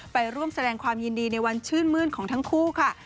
ไปร่วมแสดงความยินดีในวันชื่นมื้นของทั้งคู่ค่ะ